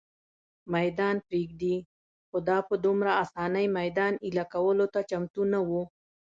مېدان پرېږدي، خو دا په دومره آسانۍ مېدان اېله کولو ته چمتو نه وه.